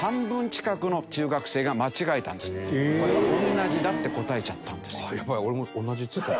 同じだって答えちゃったんです。